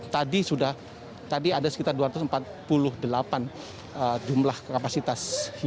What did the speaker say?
tadi sudah tadi ada sekitar dua ratus empat puluh delapan jumlah kapasitas